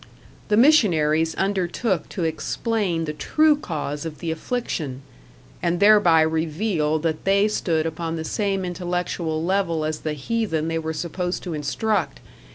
The missionaries undertook to explain the true cause of the affliction and thereby revealed that they stood upon the same intellectual level as the heathen they were supposed to instruct!